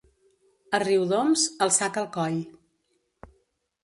A Riudoms, el sac al coll.